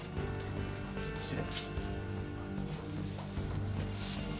失礼。